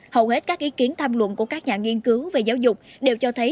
hầu hết các ý kiến tham luận của các nhà nghiên cứu về giáo dục đều cho thấy